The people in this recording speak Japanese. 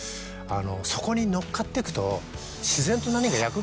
そこに乗っかってくと。